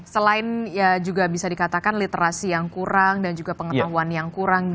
selain ya juga bisa dikatakan literasi yang kurang dan juga pengetahuan yang kurang